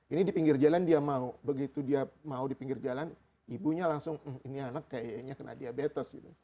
ini di pinggir jalan dia mau begitu dia mau di pinggir jalan ibunya langsung ini anak kayaknya kena diabetes gitu